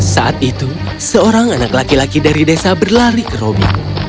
saat itu seorang anak laki laki dari desa berlari ke robi